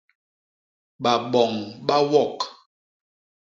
Baboñ ba wok!